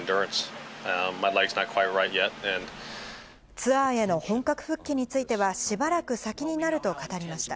ツアーへの本格復帰については、しばらく先になると語りました。